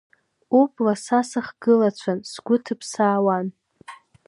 Убла са сыхгылацәан, сгәы ҭыԥсаауан…